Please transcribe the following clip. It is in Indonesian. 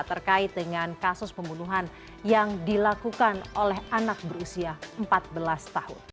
terkait dengan kasus pembunuhan yang dilakukan oleh anak berusia empat belas tahun